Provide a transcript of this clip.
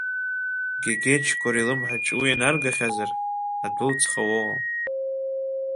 Гьегьечкори илымҳаҿ уи наргахьазар, адәылҵха уоуам.